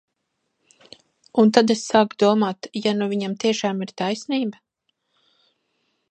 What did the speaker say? Un tad es sāku domāt, ja nu viņam tiešām ir taisnība?